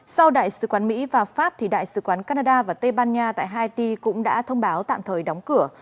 sau đại sứ quán mỹ và pháp đại sứ quán canada và tây ban nha tại haiti cũng đã thông báo tạm thời đóng cửa